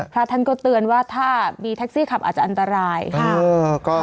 พระท่านก็เตือนว่าถ้ามีแท็กซี่ขับอาจจะอันตรายค่ะ